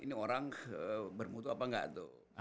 ini orang bermutu apa enggak tuh